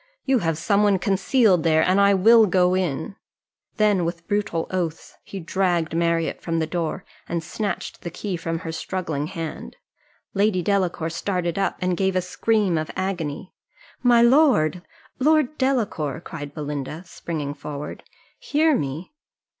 You have some one concealed there, and I will go in." Then with brutal oaths he dragged Marriott from the door, and snatched the key from her struggling hand. Lady Delacour started up, and gave a scream of agony. "My lord! Lord Delacour," cried Belinda, springing forward, "hear me."